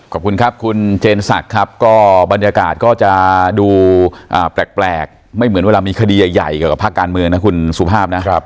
ขอบคุณครับคุณเจนศักดิ์ครับก็บรรยากาศก็จะดูแปลกไม่เหมือนเวลามีคดีใหญ่เกี่ยวกับภาคการเมืองนะคุณสุภาพนะครับ